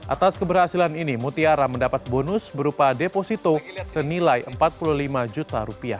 atas keberhasilan ini mutiara mendapat bonus berupa deposito senilai rp empat puluh lima juta